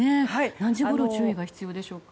何時ごろ注意が必要でしょうか。